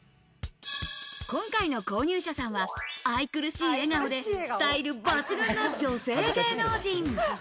今回の購入者さんは愛くるしい笑顔でスタイル抜群の女性芸能人。